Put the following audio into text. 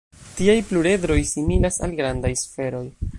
Tiaj pluredroj similas al grandaj sferoj.